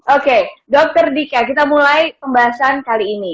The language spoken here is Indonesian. oke dr dika kita mulai pembahasan kali ini